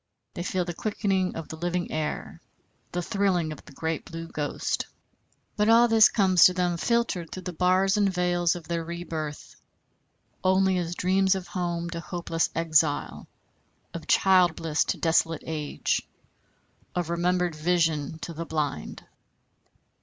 They feel the quickening of the living air, the thrilling of the great Blue Ghost. But all this comes to them, filtered through the bars and veils of their rebirth, only as dreams of home to hopeless exile, of child bliss to desolate age, of remembered vision to the blind!